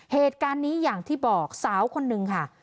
เหตุการณ์นี้อย่างที่บอกสาวคนนึงค่ะ